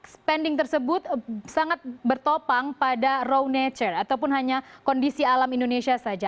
spending tersebut sangat bertopang pada row nature ataupun hanya kondisi alam indonesia saja